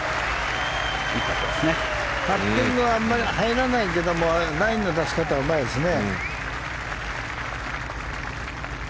パッティングはあんまり入らないけどラインの出し方はうまいですね。